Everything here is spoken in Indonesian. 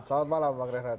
selamat malam bang rehan